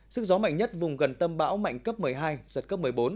sức gió mạnh nhất vùng gần tâm bão mạnh cấp một mươi hai giật cấp một mươi bốn